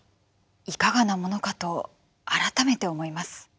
いかがなものかと改めて思います。